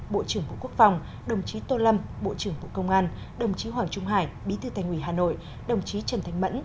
bộ trưởng bộ quốc phòng đồng chí tô lâm bộ trưởng bộ công an đồng chí hoàng trung hải bí thư thành ủy hà nội đồng chí trần thanh mẫn